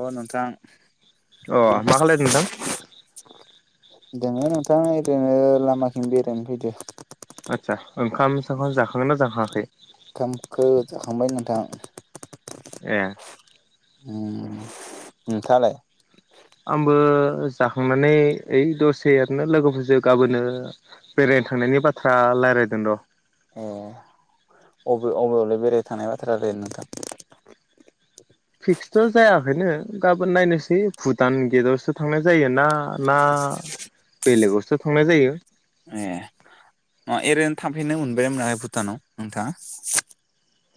अ नोंथां [inaudible] अ मा खालायदों नोंथां? दोङो नोंथां ओरैनो लामाथिं बेरायनो फैदो। आतसा ओखाम सोंखाम जा [inaudible] ओंखामखौ जाखांबाय नोंथां। ए उम, नोंथांयालाय? आंबो जाखांनानै ओइ दसे ओरैनो लोगोफोरजों गाबोनो बेरायनो थांनायनि बाथ थ्रा लायरायदों र'। ए अबे अबेयावलाय बेराय थानाय बाथ्रा नोंथां? फिक्सथ' जायाखैनो। गाबोन नायनोसै भुटान गेटआवसो थांनाय जायो ना-ना बेलेगावसो थांनाय जायो थाबफैनो मोनबाय ना मोनाखै भुटानाव नोंथाङा?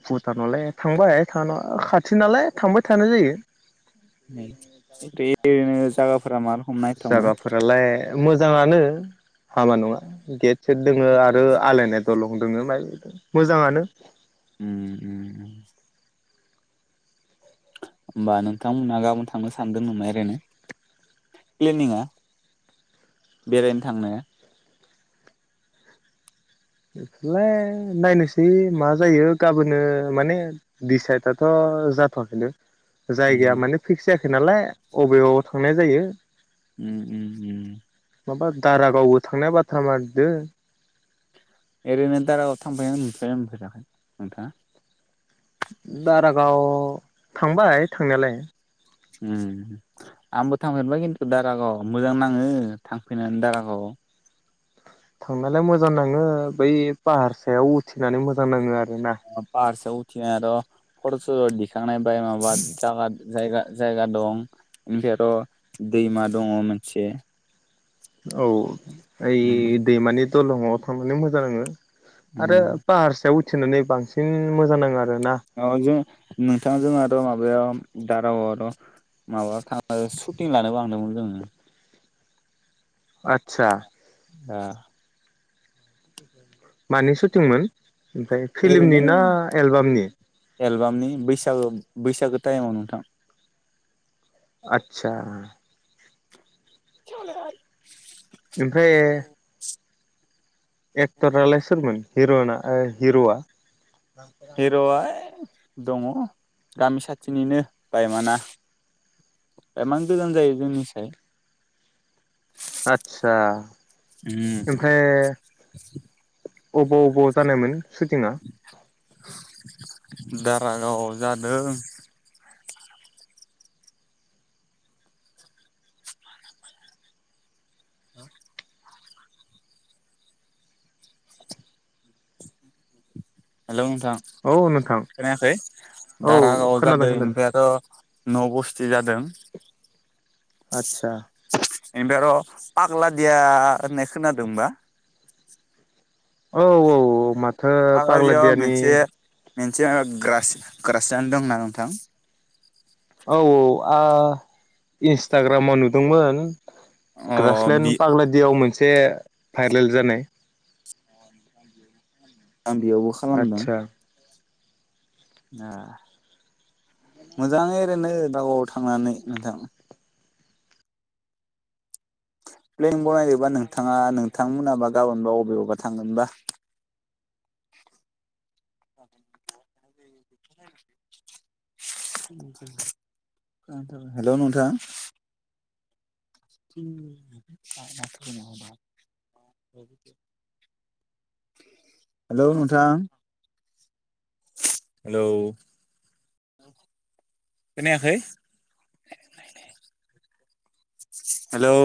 भुटानावलाय थांबायाय थांनाय खाथि नालाय थांबाय थानाय जायो। [unintelligible] बे दा फ्रा मा रखम नायथावना जायागाफोरालाय मोजाङानो हामा नङा गेट सेट दोङो आरो आलायनाय दलं दोङो [unintelligible] मोजाङानो उम उम होमबा नोंथांमोनहा गाबोन थांनो सानदों नामा एरायनो? फ्लेनिंआ, बेरायनो थांनाया। बेलाय नायनोसै मा जायो गाबोनो माने दिसाइदआथ' जाथ'वाखैनो। जायगाया उम माने फिक्स जाया नालाय बबेबाव थांनाय जायो। उम उम उम [inaudible] माबा दारागावबो थांनाय बा थामारदो ओरैनो दारागाव थांबायना मोनफै मोनफैयाखै नोंथाङा। दारागाव थांबाय थांनायालाय। ओम आंबो थांफेरबाय खिन्थु दारागाव मोजां नाङो थांफैनानै दारागाव। थांनायलाय मोजां नाङो बै पाहारसायाव उथिनानै मोजां नाङो आरो। पाहार सायाव उथिनाय आर' [unintelligible] दिखांनाय बाय माबा जागा जायगा जायगा दं [unintelligible] दैमा दङ मोनसे। औ ओइ दैमानि दलङ थांनानै मोजां नाङो। आरो पाहारसायाव उथिनानै बांसिन सिन मोजां नाङो आरो। औ जों नोंथाङा जों आरो माबायाव दारागावावथ' माबा सुटिं लानोबो थांदोंमोन जोङो। आतसा। हा। मानि सुटिंमोन ओमफ्राय फिल्मनि ओरैनो ना एलबामनि एलबामनि बैसागो बैसागो टाइमाव नोंथां। आतसा। [unintelligible] ओमफ्राय एक क्टर रालाय सोरमोन? हिर'यना ओ हिर'आ हिर'आ [unintelligible] दङ गामि सायदथिनिनो बायमाना बायमान गोजान जायो जोंनिसाय। आदसा उम ओमफ्राय अबाव अबाव जानायमोन सुटिंआ? दारागावआव जादों। [inaudible] हेलौ नोंथां औ नोंथां खोनायाखै औ दारागावाव खोनादों जादों खोनादों ओमफ्रायथ' न' बस्थि जादों। आतसा। ओमफाय आर' पाग्लादिया होननाय खोनादोंबा। औ औ मा ओ पाग्ला पाग्लादियाव दियानि मोनसे मोनसे ग्रास ग्रासालेन दोंना नोंथां? औ औ आ इन्स्टाग्रामाव नुदोंमोन अ बि ग्रासलण्ड पाग्ला दियाव मोन एसे भाइरेल जानाय आं बेयावबो खालामदों। आदसा ए मोजाङै ओरैनो दारागाव थांनानै नोंथां। प्लेन बनायनोबा नोंथाङा नोंथां मोनाबा गाबोनबा अबे आवबा थांगोनबा। हेलौ नोंथां हेलौ नोंथां। हेलौ खोनायाखै। हेलौ।